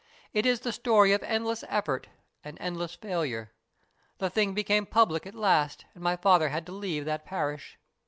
It is the story of endless effort and endless failure. The thing became public at last, and my father had to leave that parish.